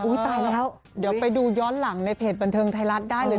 ตายแล้วเดี๋ยวไปดูย้อนหลังในเพจบันเทิงไทยรัฐได้เลย